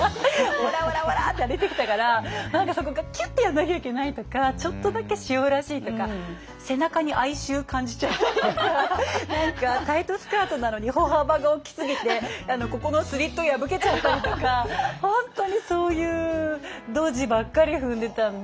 オラオラオラって歩いてきたから何かそこがキュッてやんなきゃいけないとかちょっとだけしおらしいとか背中に哀愁感じちゃったりとか何かタイトスカートなのに歩幅が大きすぎてここのスリット破けちゃったりとか本当にそういうドジばっかり踏んでたんで。